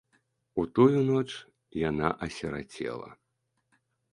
У тую ноч яна асірацела.